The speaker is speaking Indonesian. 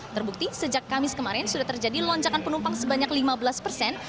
terbukti sejak kamis kemarin sudah terjadi lonjakan penumpang sebanyak lima belas persen